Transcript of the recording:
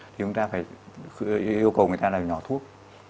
thì chúng ta phải yêu cầu người ta là nhỏ thuốc